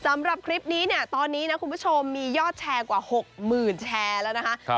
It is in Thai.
สำหรับคลิปนี้เนี่ยตอนนี้นะคุณผู้ชมมียอดแชร์กว่า๖๐๐๐แชร์แล้วนะคะ